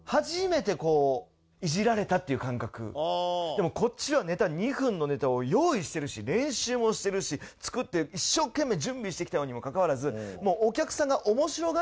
でもこっちは２分のネタを用意してるし練習もしてるし作って一生懸命準備してきたのにもかかわらず。